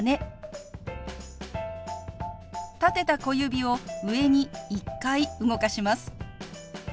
立てた小指を上に１回動かします。